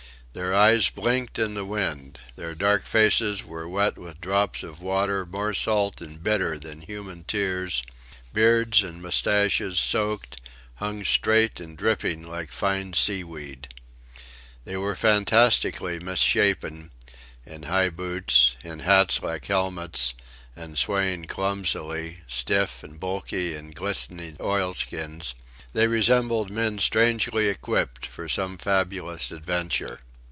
Their eyes blinked in the wind; their dark faces were wet with drops of water more salt and bitter than human tears; beards and moustaches, soaked, hung straight and dripping like fine seaweed. They were fantastically misshapen; in high boots, in hats like helmets, and swaying clumsily, stiff and bulky in glistening oilskins, they resembled men strangely equipped for some fabulous adventure.